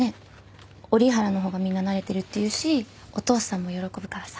折原の方がみんな慣れてるっていうしお父さんも喜ぶからさ。